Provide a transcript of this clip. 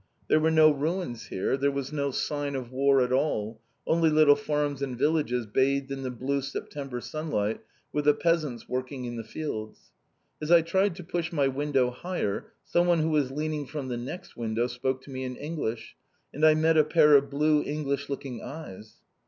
There were no ruins here, there was no sign of War at all, only little farms and villages bathed in the blue September sunlight, with the peasants working in the fields. As I tried to push my window higher, someone who was leaning from the next window, spoke to me in English, and I met a pair of blue English looking eyes.